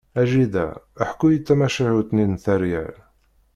A jida, ḥku-iyi-d tamacahut-nni n teryel!